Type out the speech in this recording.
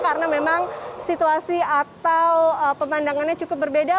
karena memang situasi atau pemandangannya cukup berbeda